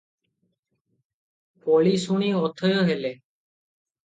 କଳି ଶୁଣି ଅଥୟ ହେଲେ ।